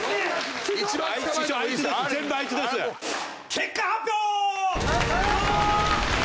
結果発表！